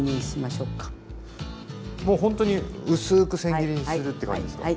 もうほんとに薄くせん切りにするって感じですか？